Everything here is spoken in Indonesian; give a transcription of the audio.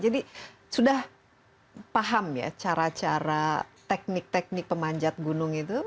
jadi sudah paham ya cara cara teknik teknik pemanjat gunung itu